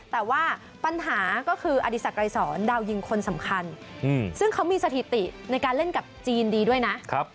แต่ว่าปัญหาก็คืออดีศักดรายสอนดาวยิงคนสำคัญซึ่งเขามีสถิติในการเล่นกับจีนดีด้วยนะ